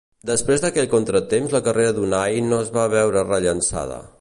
Després d'aquell contratemps la carrera d'Unai no es va veure rellançada.